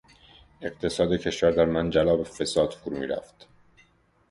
اقتصاد کشور در منجلاب فساد فرو میرفت.